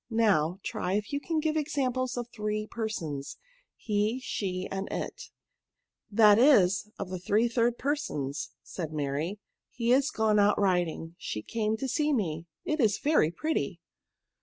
Now, try if you can give examples of the three persons, hCy she, and it:' " That is, of the three third persons," said Mary. " He is gone out riding; she came to see me ; it is very pretty.